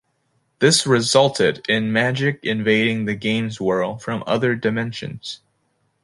This resulted in magic invading the game's world from other dimensions.